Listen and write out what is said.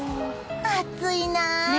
暑いなー。